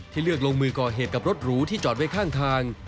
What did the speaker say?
เลือกลงมือก่อเหตุกับรถหรูที่จอดไว้ข้างทาง